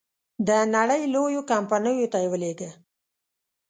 د نړی لویو کمپنیو ته یې ولېږه.